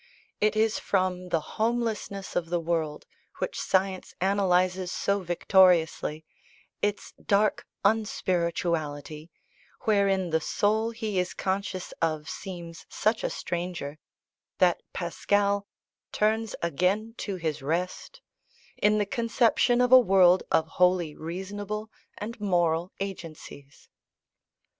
It is from the homelessness of the world which science analyses so victoriously, its dark unspirituality, wherein the soul he is conscious of seems such a stranger, that Pascal "turns again to his rest," in the conception of a world of wholly reasonable and moral agencies.